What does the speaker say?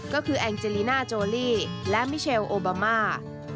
ก็คือแองเจลีน่าโจลี่และมิเชลโอบามา